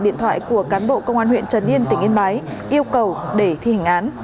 điện thoại của cán bộ công an huyện trần yên tỉnh yên bái yêu cầu để thi hành án